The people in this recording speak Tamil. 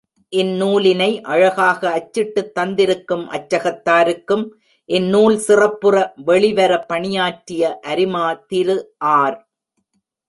இந்நூலினை அழகாக அச்சிட்டுத் தந்திருக்கும் அச்சகத்தாருக்கும், இந்நூல் சிறப்புற வெளிவர பணியாற்றிய அரிமா திரு ஆர்.